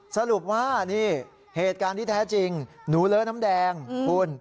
สรุปว่านี่เหตุการณ์ที่แท้จริงหนูเลอะน้ำแดงคุณ